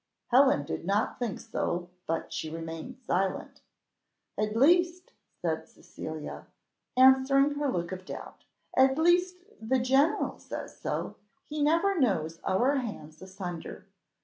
Helen did not think so, but she remained silent. "At least," said Cecilia, answering her look of doubt, "at least the general says so; he never knows our hands asunder.